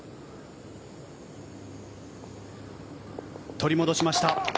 取り戻しました。